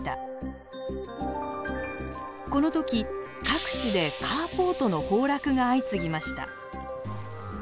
この時各地でカーポートの崩落が相次ぎました。